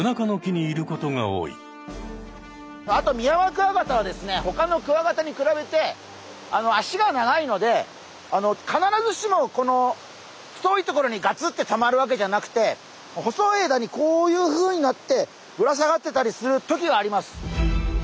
あとミヤマクワガタはですねほかのクワガタに比べて脚が長いので必ずしもこの太いところにガツッてとまるわけじゃなくて細い枝にこういうふうになってぶら下がってたりするときがあります。